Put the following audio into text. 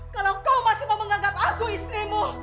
kalau kau masih mau menganggap aku istrimu